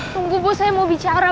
tunggu bu saya mau bicara